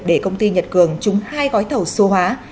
để công ty nhật cường trúng hai gói thầu số hóa